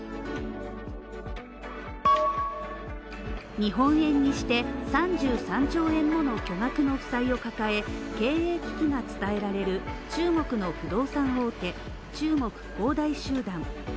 日本円にして３３兆円もの巨額の負債を抱え、経営危機が伝えられる注目の不動産大手・中国恒大集団